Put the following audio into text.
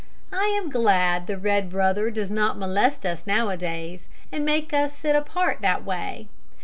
I am glad the red brother does not molest us nowadays, and make us sit apart that way.